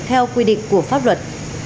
theo quy định của pháp luật